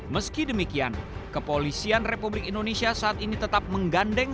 meski demikian kepolisian republik indonesia saat ini tetap menggandeng